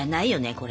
これ。